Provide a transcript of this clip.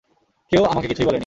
কেউ আমাকে কিছুই বলেনি।